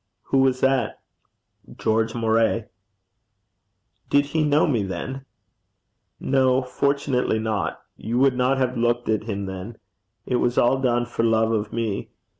'Who was that?' 'George Moray.' 'Did he know me then?' 'No. Fortunately not. You would not have looked at him then. It was all done for love of me.